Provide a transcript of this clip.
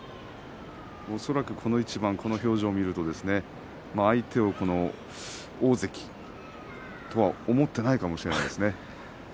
恐らく、この一番この表情を見ると相手を大関とは思っていないかもしれませんね。